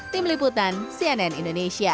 tim liputan cnn indonesia